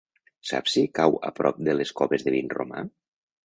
Saps si cau a prop de les Coves de Vinromà?